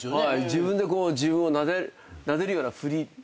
自分で自分をなでるようなふり。